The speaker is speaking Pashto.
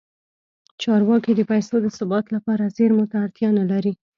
چارواکي د پیسو د ثبات لپاره زیرمو ته اړتیا نه لري.